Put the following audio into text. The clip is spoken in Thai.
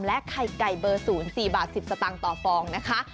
ไข่ไก่เบอร์๐๔บาท๑๐สตางค์ต่อฟองนะคะ